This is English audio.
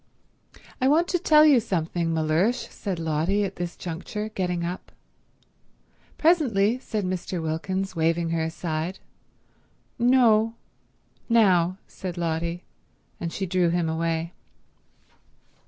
"I want to tell you something, Mellersh," said Lotty at this juncture, getting up. "Presently," said Mr. Wilkins, waving her aside. "No—now," said Lotty; and she drew him away.